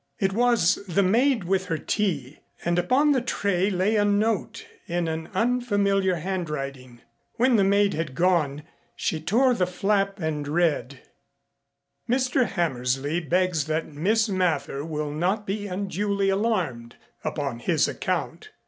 It was the maid with her tea, and upon the tray lay a note in an unfamiliar handwriting. When the maid had gone she tore the flap and read: Mr. Hammersley begs that Miss Mather will not be unduly alarmed upon his account.